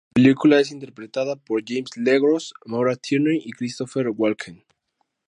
La película es interpretada por James LeGros, Maura Tierney y Christopher Walken.